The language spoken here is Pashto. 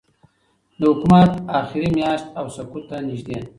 د حکومت آخري میاشت او سقوط ته نږدې